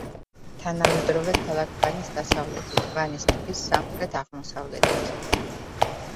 თანამედროვე ქალაქ ვანის დასავლეთით, ვანის ტბის სამხრეთ-აღმოსავლეთით.